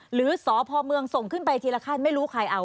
หรือสพเมืองส่งขึ้นไปทีละขั้นไม่รู้ใครเอา